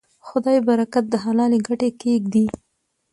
خدای برکت د حلالې ګټې کې ږدي.